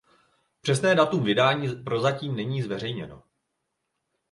Přesné datum vydání prozatím není zveřejněno.